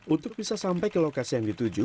untuk bisa sampai ke lokasi yang dituju